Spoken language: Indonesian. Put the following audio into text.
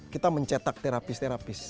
kita mencetak terapis terapis